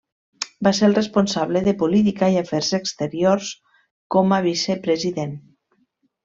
Va ser el responsable de política i afers exteriors, com a Vicepresident.